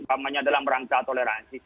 pemahamannya dalam rangka toleransi